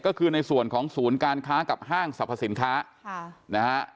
ก็คือในส่วนของศูนย์การค้ากับห้างสรรพสินค้าค่ะนะฮะ